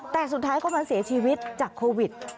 แต่สุดท้ายก็มาเสียชีวิตจากโควิด